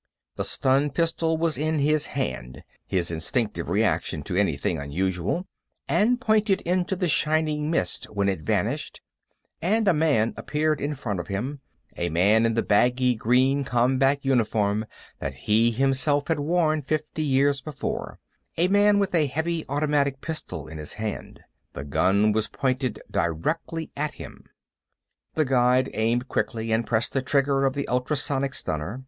The stun pistol was in his hand his instinctive reaction to anything unusual and pointed into the shining mist when it vanished and a man appeared in front of him; a man in the baggy green combat uniform that he himself had worn fifty years before; a man with a heavy automatic pistol in his hand. The gun was pointed directly at him. The Guide aimed quickly and pressed the trigger of the ultrasonic stunner.